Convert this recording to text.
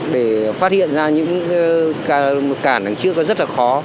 để phát hiện ra những cản đằng trước rất là khó